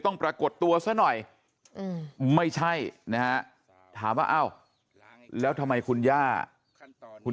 ปรากฏตัวซะหน่อยไม่ใช่นะฮะถามว่าอ้าวแล้วทำไมคุณย่าคุณ